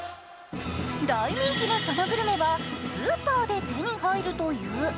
大人気のそのグルメはスーパーで手に入るという。